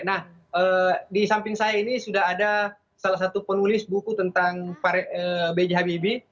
nah di samping saya ini sudah ada salah satu penulis buku tentang b j habibie